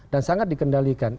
dan sangat dikendalikan